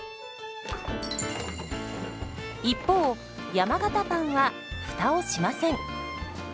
一方山型パンはフタをしません。